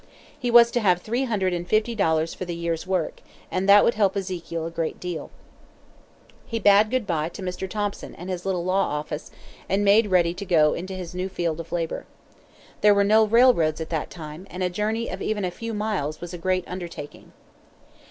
He was to have three hundred and fifty dollars for the year's work, and that would help Ezekiel a great deal. He bade good bye to Mr. Thompson and his little law office, and made ready to go to his new field of labor. There were no railroads at that time, and a journey of even a few miles was a great undertaking.